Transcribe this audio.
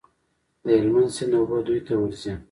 د هلمند سیند اوبه دوی ته ورځي.